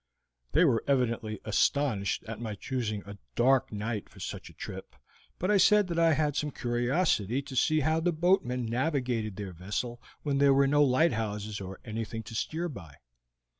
They were evidently astonished at my choosing a dark night for such a trip, but I said that I had some curiosity to see how the boatmen navigated their vessel when there were no lighthouses or anything to steer by.